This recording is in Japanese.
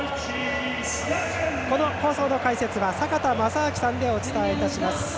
この放送の解説は坂田正彰さんでお伝えいたします。